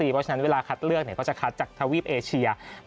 เพราะฉะนั้นเวลาคัดเลือกก็จะคัดจากทวีปเอเชีย